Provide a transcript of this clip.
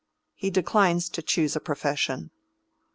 He declines to choose a profession."